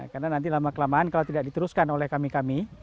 karena nanti lama kelamaan kalau tidak diteruskan oleh kami kami